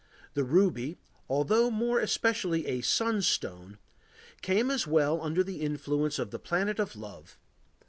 The ruby, although more especially a sunstone, came as well under the influence of the Planet of Love.